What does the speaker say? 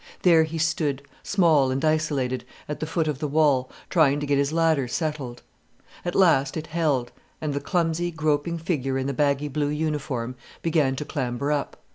There he stood, small and isolated, at the foot of the wall, trying to get his ladder settled. At last it held, and the clumsy, groping figure in the baggy blue uniform began to clamber up.